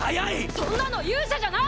そんなの勇者じゃない！